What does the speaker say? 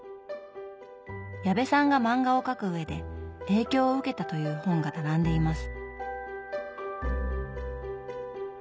矢部さんが漫画を描くうえで影響を受けたという本が並んでいます。